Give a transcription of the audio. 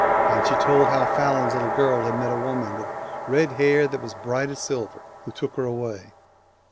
And she told how Fallon's little girl had met a woman ' with red hair that was as bright as silver,' who took her away.